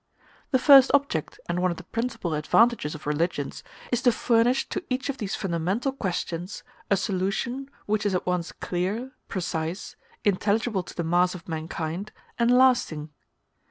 The first object and one of the principal advantages of religions, is to furnish to each of these fundamental questions a solution which is at once clear, precise, intelligible to the mass of mankind, and lasting.